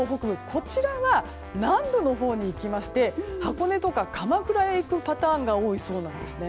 こちらは南部のほうに行きまして箱根とか鎌倉へ行くパターンが多いそうなんですね。